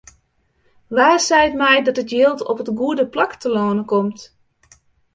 Wa seit my dat it jild op it goede plak telâne komt?